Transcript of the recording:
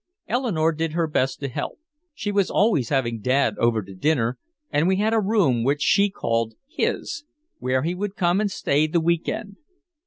Eleanore did her best to help. She was always having Dad over to dinner, and we had a room which she called his, where he would come and stay the week end.